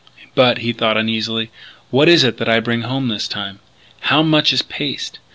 "But," he thought uneasily, "what is it that I bring home this time? How much is paste?